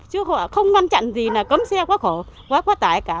chứ họ không ngăn chặn gì là cấm xe quá khổ quá quá tải cả